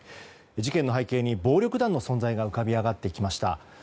事件の背景に暴力団の存在が浮かび上がってきました。